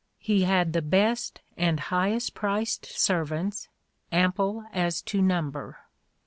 He had the best and highest priced ser vants, ample as to number."